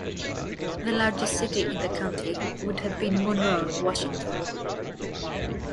The largest city in the county would have been Monroe, Washington.